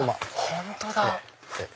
本当だ。